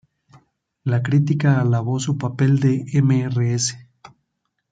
La crítica alabó su papel de Mrs.